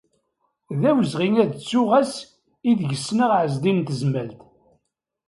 D awezɣi ad ttuɣ ass ideg ssneɣ Ɛezdin n Tezmalt.